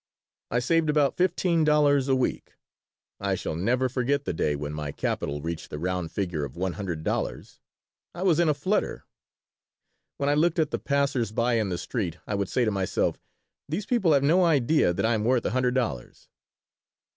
I saved about fifteen dollars a week. I shall never forget the day when my capital reached the round figure of one hundred dollars. I was in a flutter. When I looked at the passers by in the street I would say to myself, "These people have no idea that I am worth a hundred dollars."